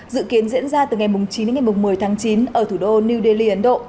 dự kiến diễn ra từ ngày chín đến ngày một mươi tháng chín ở thủ đô new delhi ấn độ